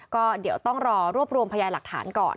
ก็เดี๋ยวต้องรอรวบรวมพยาหลักฐานก่อน